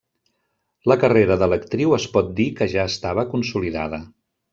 La carrera de l'actriu es pot dir que ja estava consolidada.